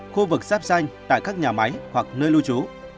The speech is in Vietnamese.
khu vực sáp xanh tại các nhà máy hoặc nơi lưu trú